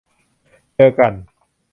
เจอกัน